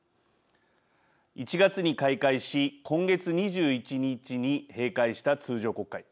１月に開会し今月２１日に閉会した通常国会。